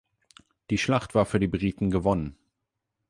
Die Schlacht war für die Briten gewonnen.